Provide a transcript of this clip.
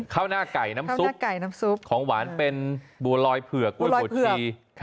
ข้าวหน้าไก่น้ำซุปของหวานเป็นบัวรอยเผือกกล้วยบดจี